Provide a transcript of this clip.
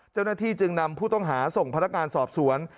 เจ้าหน้าที่จึงนำผู้ต้องหาส่งพนักงานสอบสวน